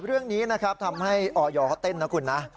เรื่องนี้ทำให้อ่อเยาะเต้นนะคุณนะ